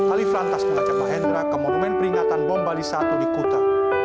alif lantas mengajak mahendra ke monumen peringatan bom bali satu di kuta